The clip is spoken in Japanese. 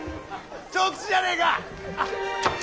長吉じゃねえか！